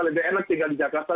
lebih enak tinggal di jakarta